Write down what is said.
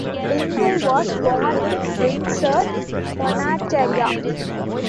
Pringle was born in Windsor, Ontario.